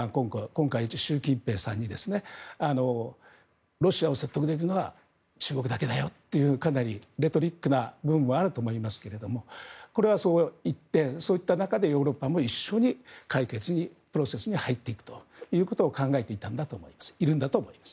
今回、習近平さんにロシアを説得できるのは中国だけだよというかなり、レトリックな部分もあると思いますがこれはそう言ってそういった中でもヨーロッパも一緒に解決のプロセスに入っていくということを考えているんだと思います。